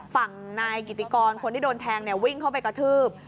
ฝั่งนายกิติกรคนที่โดนแทงวิ่งเข้าไปกระทืบ